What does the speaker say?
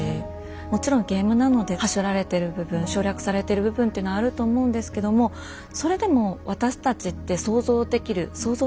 もちろんゲームなのではしょられてる部分省略されてる部分っていうのあると思うんですけどもそれでも私たちって想像できる想像することができるので。